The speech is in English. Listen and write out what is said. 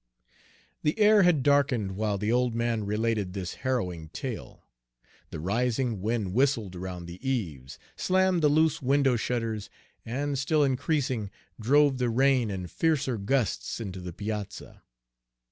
The air had darkened while the old man related this harrowing tale. The rising wind whistled around the eaves, slammed the loose window shutters, and, still increasing, drove the rain in fiercer gusts into the piazza.